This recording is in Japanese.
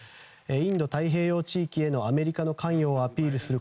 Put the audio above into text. インド太平洋地域へのアメリカの関与をアピールする